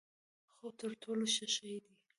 خوب تر ټولو ښه شی دی؛